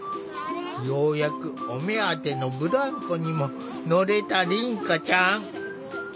ようやくお目当てのブランコにも乗れた凛花ちゃん。